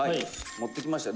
持ってきましたよ」